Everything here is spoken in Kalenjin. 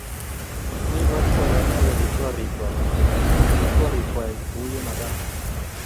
Kekoch boroindo korib gorikwai. Korib gorikwai kouye magat